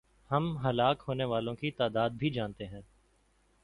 ہم ہلاک ہونے والوں کی تعداد بھی جانتے ہیں۔